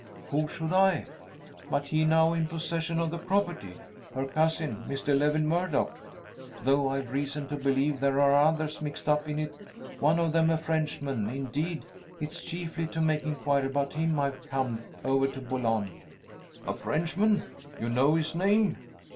"Who should I, but he now in possession of the property her cousin, Mr Lewin Murdock. Though I've reason to believe there are others mixed up in it; one of them a Frenchman. Indeed, it's chiefly to make inquiry about him I've come over to Boulogne." "A Frenchman. You know his name?"